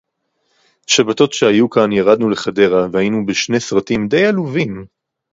שַׁבָּתוֹת שֶׁהָיוּ כָּאן יָרַדְנוּ לְחַדְרָהּ וְהָיִינוּ בִּשְׁנֵי סְרָטִים דַּי עֲלוּבִים